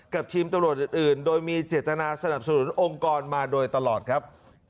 กับทีมตำรวจอื่นโดยมีเจตนาสนับสนุนองค์กรมาโดยตลอดครับ